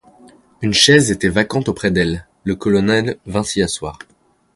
Une chaise était vacante auprès d’elle, le colonel vint s’y asseoir.